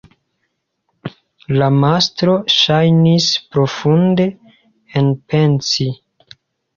La mastro ŝajnis profunde enpensi.